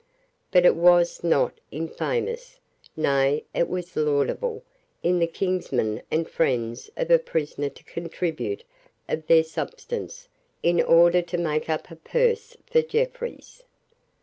But it was not infamous, nay, it was laudable, in the kinsmen and friends of a prisoner to contribute of their substance in order to make up a purse for Jeffreys.